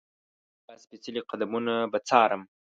هغه سپېڅلي قدمونه به څارم.